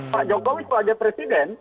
pak jokowi itu aja presiden